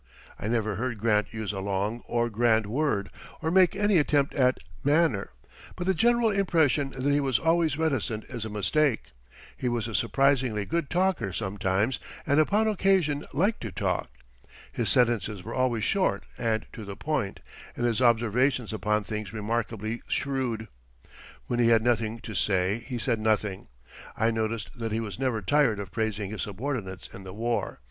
I never heard Grant use a long or grand word, or make any attempt at "manner," but the general impression that he was always reticent is a mistake. He was a surprisingly good talker sometimes and upon occasion liked to talk. His sentences were always short and to the point, and his observations upon things remarkably shrewd. When he had nothing to say he said nothing. I noticed that he was never tired of praising his subordinates in the war.